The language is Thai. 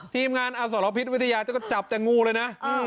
ทีมงานอสรพิษวิทยาจะก็จับแต่งูเลยนะ